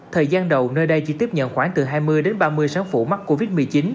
thời gian đầu nơi đây chỉ tiếp nhận khoảng từ hai mươi đến ba mươi sáu phụ mắc covid một mươi chín